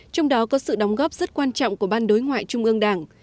trong đó có sự đóng góp rất quan trọng của ban đối ngoại trung ương đảng